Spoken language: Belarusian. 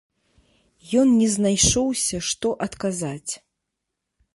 Ён не знайшоўся што адказаць.